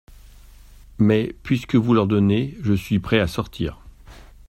Mais puisque vous l'ordonnez, je suis prêt à sortir.